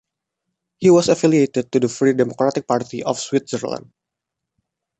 He was affiliated to the Free Democratic Party of Switzerland.